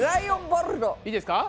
いいですか？